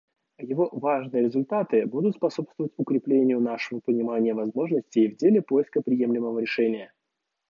Его важные результаты будут способствовать укреплению нашего понимания возможностей в деле поиска приемлемого решения.